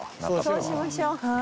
そうしましょう。